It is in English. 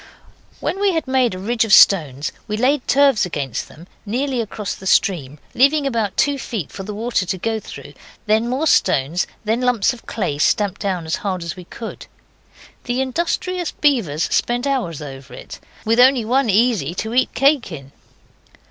When we had made a ridge of stones we laid turfs against them nearly across the stream, leaving about two feet for the water to go through then more stones, and then lumps of clay stamped down as hard as we could. The industrious beavers spent hours over it, with only one easy to eat cake in.